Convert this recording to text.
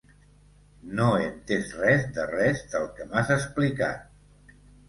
No he entès res de res del que m'has explicat.